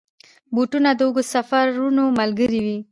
بوټونه د اوږدو سفرونو ملګري وي.